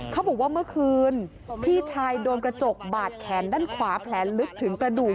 เขาบอกว่าเมื่อคืนพี่ชายโดนกระจกบาดแขนด้านขวาแผลลึกถึงกระดูก